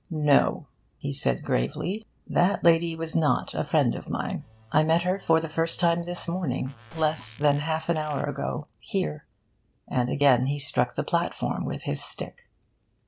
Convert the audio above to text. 'No,' he said gravely. 'That lady was not a friend of mine. I met her for the first time this morning, less than half an hour ago, here,' and again he struck the platform with his stick.